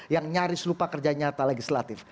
yang nyaris lupa kerja nyata legislatif